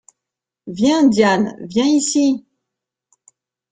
Viens, Diane! viens ici !